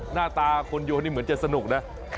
หน้าตาคนโยนนี่เหมือนจะสนุกนะ